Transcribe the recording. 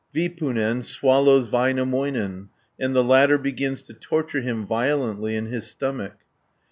Vipunen swallows Väinämöinen, and the latter begins to torture him violently in his stomach (99 146).